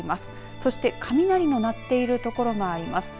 そして雷も鳴っている所があります。